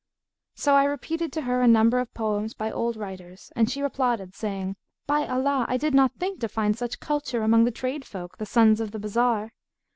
So I repeated to her a number of poems by old writers, and she applauded, saying, 'By Allah, I did not think to find such culture among the trade folk, the sons of the bazar!'